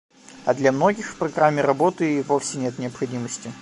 А для многих в программе работы и вовсе нет необходимости.